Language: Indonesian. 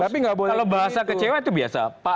kalau bahasa kecewa itu biasa